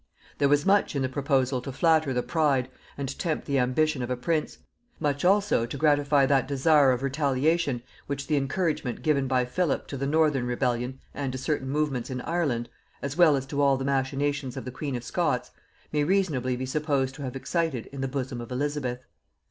There was much in the proposal to flatter the pride and tempt the ambition of a prince; much also to gratify that desire of retaliation which the encouragement given by Philip to the Northern rebellion and to certain movements in Ireland, as well as to all the machinations of the queen of Scots, may reasonably be supposed to have excited in the bosom of Elizabeth.